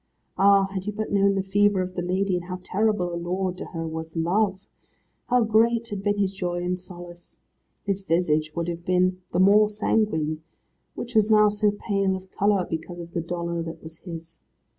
Ah, had he but known the fever of the lady, and how terrible a lord to her was Love, how great had been his joy and solace. His visage would have been the more sanguine, which was now so pale of colour, because of the dolour that was his.